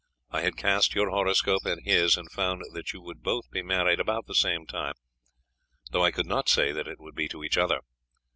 I had cast your horoscope and his and found that you would both be married about the same time, though I could not say that it would be to each other.